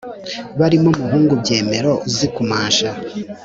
barimo umuhungu byemero uzi kumasha